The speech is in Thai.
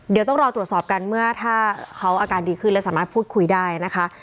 เดี๋ยวต้องรอตรวจสอบกันเมื่อถ้าเขาอาการดีขึ้นและสามารถพูดคุยได้นะคะ